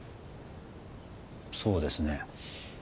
そうですね。